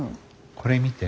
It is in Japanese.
これ見て。